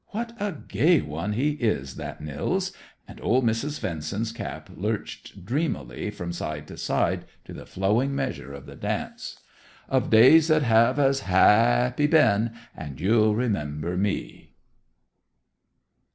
"What a gay one he is, that Nils!" And old Mrs. Svendsen's cap lurched dreamily from side to side to the flowing measure of the dance. "_Of days that have as ha a p py been, And you'll remember me.